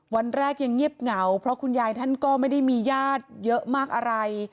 วันแรกยังเงียบเหงาเพราะคุณยายท่านก็ไม่ได้มีญาติเยอะมากอะไร